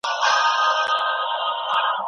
واقعي پوښتنې د حقايقو په لټه کې وي.